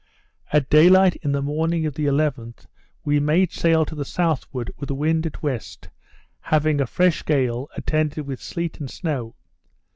At day light in the morning of the 11th, we made sail to the southward with the wind at west, having a fresh gale, attended with sleet and snow.